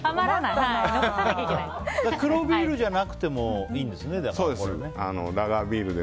黒ビールじゃなくてもいいんですね。